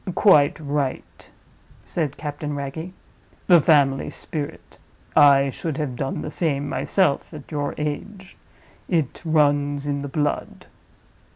"Quite right!" said Captain Wragge. "The family spirit. I should have done the same myself at your age. It runs in the blood.